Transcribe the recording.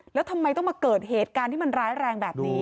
แล้วทำไมต้องมาเกิดเหตุการณ์ที่มันร้ายแรงแบบนี้